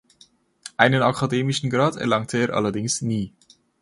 Einen akademischen Grad erlangte er allerdings nie.